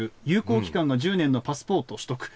有効期間が１０年のパスポートを取得。